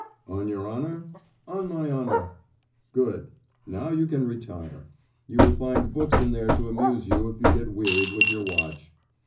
"On your honour?" "On my honour." "Good. Now you can retire. You will find books in there to amuse you if you get wearied with your watch."